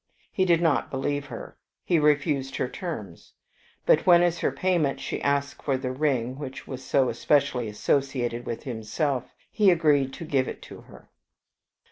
He did not believe her; he refused her terms; but when as her payment she asked for the ring which was so especially associated with himself, he agreed to give it to her.